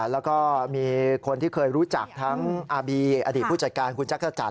แล้วก็มีคนที่เคยรู้จักทั้งอาบีอดีตผู้จัดการคุณจักรจันท